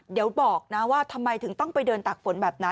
เดี๋ยวบอกนะว่าทำไมถึงต้องไปเดินตากฝนแบบนั้น